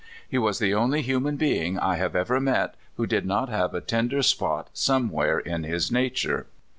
He was the only human being I have ever met who did not have a tender spot somewhere in his nature.